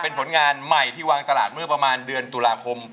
เป็นผลงานใหม่ที่วางตลาดเมื่อประมาณเดือนตุลาคม